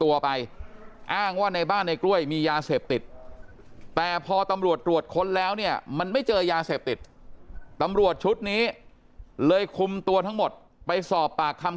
ตัวไปอ้างว่าในบ้านในกล้วยมียาเสพติดแต่พอตำรวจตรวจค้นแล้วเนี่ยมันไม่เจอยาเสพติดตำรวจชุดนี้เลยคุมตัวทั้งหมดไปสอบปากคำ